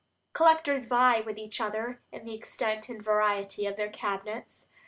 Collectors vie with each other in the extent and variety of their cabinets.